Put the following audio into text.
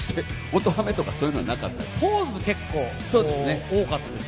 音ハメとかそういうのはなかったですね。